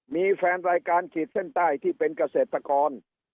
มีแฟนรายการขีดเส้นใต้ที่เป็นเกษตรกร